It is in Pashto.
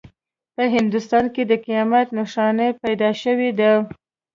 په هندوستان کې د قیامت نښانه پیدا شوې ده.